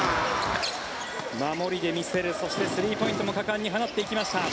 守りで見せるそして、スリーポイントも果敢に放っていきました。